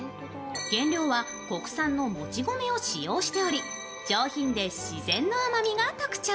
原料は国産のもち米を使用しており上品で自然な甘みが特徴。